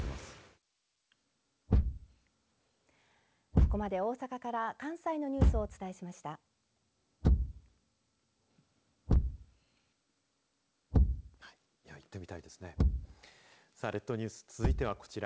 ここまで大阪から関西のニュースをお伝えしました。